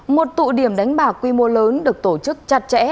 một tụ điểm đánh bạc quy mô lớn được tổ chức chặt chẽ